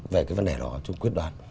về cái vấn đề đó chúng quyết đoán